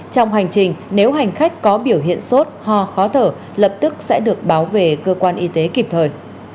trong hành trình nếu hành khách có biểu hiện sốt ho khó thở lập tức sẽ được báo về cơ quan y tế kịp thời